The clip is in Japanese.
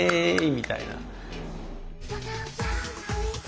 みたいな。